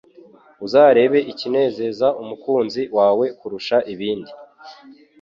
uzarebe ikinezeza umukunzi wawe kurusha ibindi